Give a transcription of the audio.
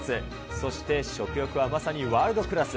そして食欲はまさにワールドクラス。